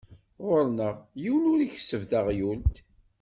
Ɣur-neɣ yiwen ur ikesseb taɣyult.